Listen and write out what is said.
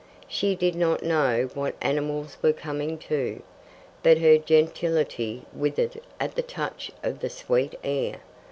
She did not know what animals were coming to. But her gentility withered at the touch of the sweet air.